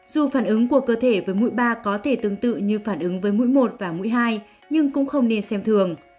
dù phản ứng của cơ thể với mũi ba có thể tương tự như phản ứng với mũi một và mũi hai nhưng cũng không nên xem thường